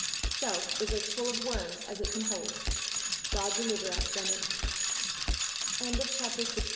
Self is as full of worms as it can hold; God deliver us from it! CHAPTER LXIX.